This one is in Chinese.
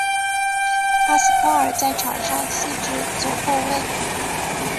帕斯夸尔在场上司职左后卫。